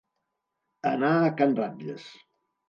Anar a can Ratlles.